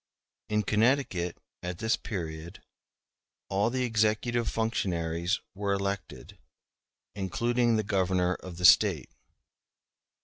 *b In Connecticut, at this period, all the executive functionaries were elected, including the Governor of the State.